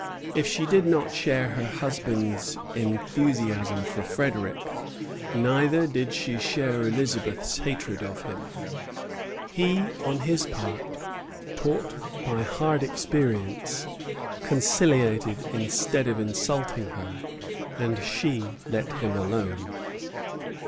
If she did not share her husband's enthusiasm for Frederic, neither did she share Elizabeth's hatred of him. He, on his part, taught by hard experience, conciliated instead of insulting her, and she let him alone.